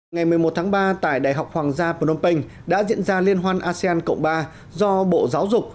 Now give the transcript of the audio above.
ngày một mươi một tháng ba tại đại học hoàng gia phnom penh đã diễn ra liên hoan asean cộng ba do bộ giáo dục